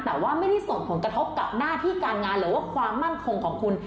แต่ว่าไม่ได้ส่งผลกระทบกับหน้าที่การงานหรือว่าความมั่นคงของคุณ